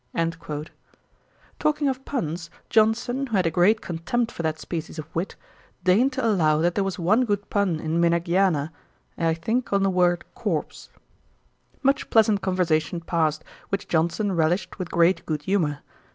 "' Talking of puns, Johnson, who had a great contempt for that species of wit, deigned to allow that there was one good pun in Menagiana, I think on the word corps. Much pleasant conversation passed, which Johnson relished with great good humour.